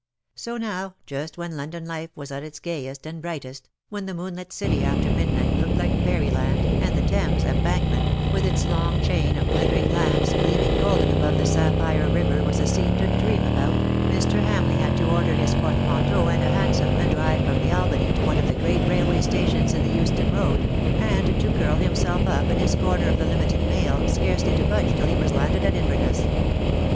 So now, just when London life was at its gayest and brightest, when the moonlit city after mid night looked like fairy land, and the Thames Embankment, with its long chain of glittering lamps, gleaming golden above the sapphire river, was a scene to dream about, Mr. Hamleigh had to order his portmanteau and a liansom, and drive from the Albany to one of the great railway CUPID AND PSYCHE. 201 stations in tlie Euston RoacI^ and to curl himself up in liis corner of the limited mail^ scarcely to budge till he was landed at Inverness.